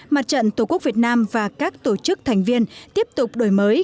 mặt trận tổ quốc việt nam và các tổ chức thành viên tiếp tục đổi mới